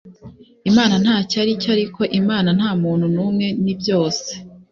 Imana ntacyo aricyo ariko Imana ntamuntu numwe ni byose